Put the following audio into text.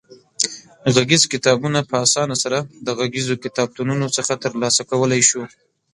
غږیز کتابونه په اسانۍ سره د غږیزو کتابتونونو څخه ترلاسه کولای شو.